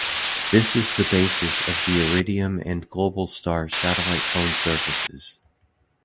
This is the basis of the Iridium and Globalstar satellite phone services.